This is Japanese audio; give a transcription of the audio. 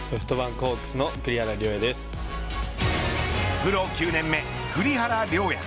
プロ９年目、栗原陵矢。